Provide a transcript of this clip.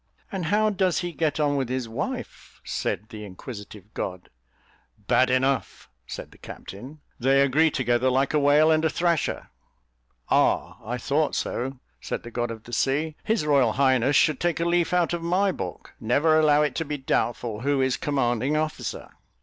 "And how does he get on with his wife?" said the inquisitive god. "Bad enough," said the captain; "they agree together like a whale and a thrasher." "Ah! I thought so," said the god of the sea. "His royal highness should take a leaf out of my book: never allow it to be doubtful who is commanding officer."